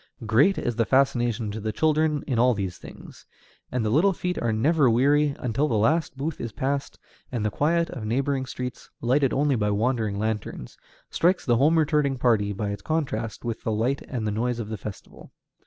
Great is the fascination to the children in all these things, and the little feet are never weary until the last booth is passed, and the quiet of neighboring streets, lighted only by wandering lanterns, strikes the home returning party by its contrast with the light and noise of the festival.